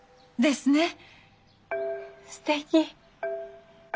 すてき。